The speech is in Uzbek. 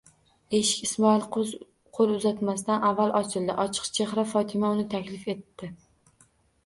Eshik Ismoil qo'l uzatmasdan avval ochildi, ochiq chehra Fotima uni taklif etdi.